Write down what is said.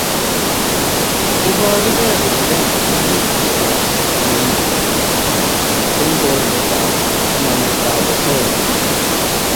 Iborukei kole Kenya kokikowo ngweny eng borietap nametab osoya